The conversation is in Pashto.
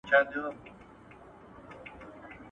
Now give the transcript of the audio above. ايا ته د فولکلور کتاب لرې؟